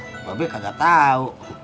mbak be kagak tau